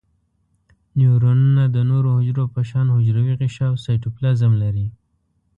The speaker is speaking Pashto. نیورونونه د نورو حجرو په شان حجروي غشاء او سایتوپلازم لري.